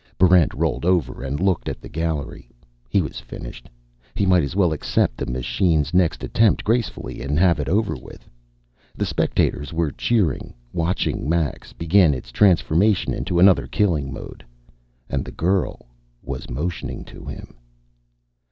Barrent rolled over and looked at the gallery. He was finished. He might as well accept the machine's next attempt gracefully and have it over with. The spectators were cheering, watching Max begin its transformation into another killing mode. And the girl was motioning to him.